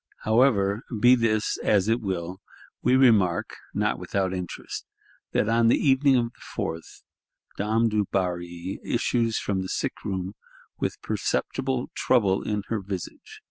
However, be this as it will, we remark, not without interest, that "on the evening of the 4th," Dame Dubarry issues from the sick room, with perceptible "trouble in her visage."